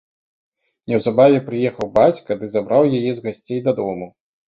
Неўзабаве прыехаў бацька ды забраў яе з гасцей дадому.